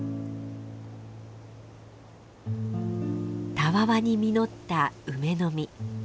たわわに実った梅の実。